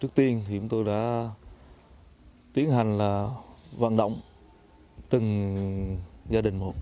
trước tiên thì chúng tôi đã tiến hành là vận động từng gia đình một